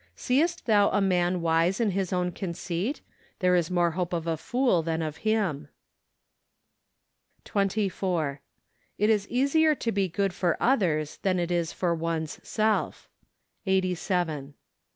" Seest thou a man icise in his own conceit? there is more hope of a fool than of him." 106 SEPTEMBER. 24. It is easier to be good for others than it is for one's self. Eighty Seven.